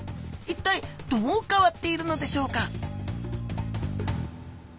一体どう変わっているのでしょうか？